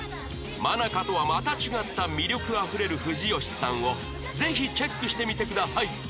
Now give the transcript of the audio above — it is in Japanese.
愛香とはまた違った魅力あふれる藤吉さんをぜひチェックしてみてください